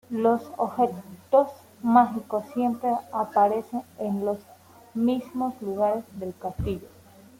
Los objetos mágicos siempre aparecen en los mismos lugares del castillo.